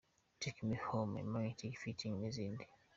Take Me Home, Magnetic, Fitting nizindi.